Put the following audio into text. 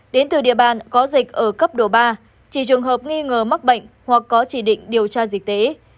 đến từ địa bàn có dịch ở cấp độ ba chỉ trường hợp nghi ngờ mắc bệnh hoặc có chỉ định điều tra dịch tế